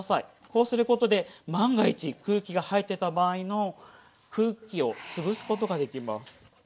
こうすることで万が一空気が入ってた場合の空気を潰すことができます。